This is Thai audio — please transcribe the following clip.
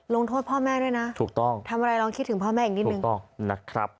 โทษพ่อแม่ด้วยนะถูกต้องทำอะไรลองคิดถึงพ่อแม่อีกนิดนึงนะครับ